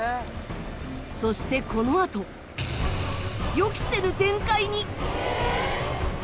そしてこのあと予期せぬ展開に！